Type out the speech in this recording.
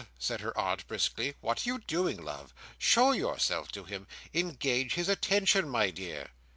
said her aunt, briskly, "what are you doing, love? Show yourself to him. Engage his attention, my dear!"